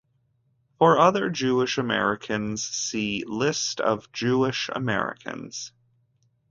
For other Jewish Americans, see List of Jewish Americans.